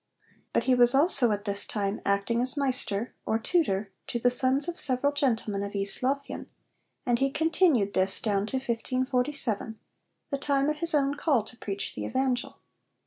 But he was also at this time acting as 'Maister' or tutor to the sons of several gentlemen of East Lothian, and he continued this down to 1547, the time of his own 'call' to preach the Evangel.